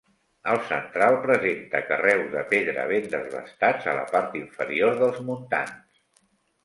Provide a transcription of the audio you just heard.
El central presenta carreus de pedra ben desbastats a la part inferior dels muntants.